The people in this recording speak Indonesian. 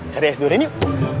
cari es durian yuk